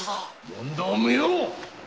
問答無用！